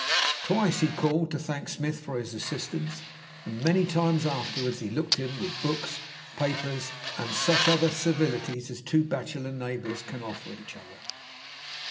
Twice he called to thank Smith for his assistance, and many times afterwards he looked in with books, papers, and such other civilities as two bachelor neighbours can offer each other.